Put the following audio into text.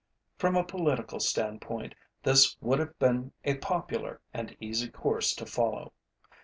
From a political standpoint, this would have been a popular and easy course to follow.